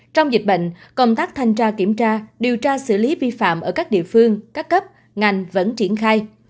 trong dịch bệnh công tác thanh tra kiểm tra điều tra xử lý vi phạm ở các địa phương các cấp ngành vẫn triển khai